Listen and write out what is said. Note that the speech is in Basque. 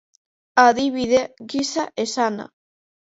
Adibide gisa esana.